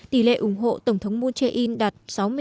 tỷ lệ ủng hộ tổng thống moon jae in đạt sáu mươi năm